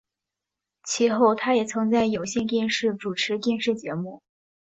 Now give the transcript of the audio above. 其后他也曾在有线电视主持电视节目。